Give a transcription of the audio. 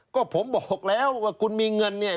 ก็ผมบอกแล้วว่าคุณมีเงินเนี่ย